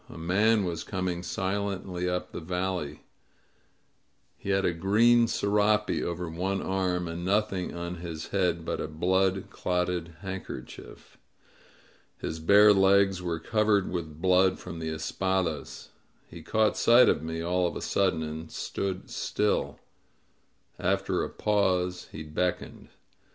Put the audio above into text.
A man was coining silently up the valley. He had a green serape over one arm, and nothing on his head but a blood clotted hand kerchief. His bare legs were covered with blood from the espadas. He caught sight of me all of a sudden, and stood still; after a pause he beckoned.